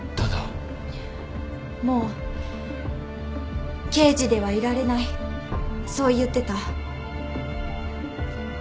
「もう刑事ではいられない」そう言ってた。